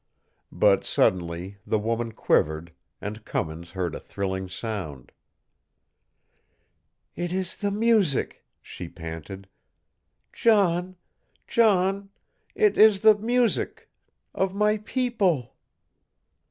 But suddenly the woman quivered, and Cummins heard a thrilling sound. "It is the music!" she panted. "John, John, it is the music of my people!"